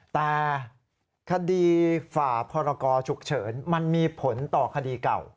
แต่คดีฝ่าพรกรฉุกเฉินมันมีผลต่อคดีเก่า